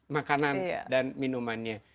makanan dan minumannya